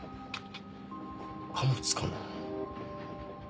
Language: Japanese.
貨物かな？